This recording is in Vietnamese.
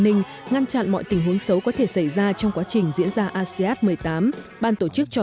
ninh ngăn chặn mọi tình huống xấu có thể xảy ra trong quá trình diễn ra asean một mươi tám ban tổ chức cho